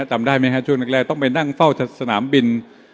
จำได้ไหมฮะช่วงแรกต้องไปนั่งเฝ้าสนามบิน